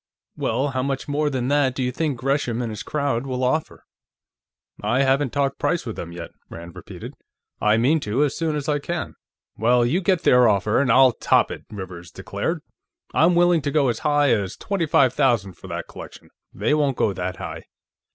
"Well, how much more than that do you think Gresham and his crowd will offer?" "I haven't talked price with them, yet," Rand repeated. "I mean to, as soon as I can." "Well, you get their offer, and I'll top it," Rivers declared. "I'm willing to go as high as twenty five thousand for that collection; they won't go that high."